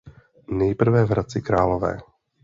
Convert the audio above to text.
Nejprve v Hradci Králové.